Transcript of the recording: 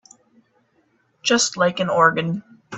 Just like an organ.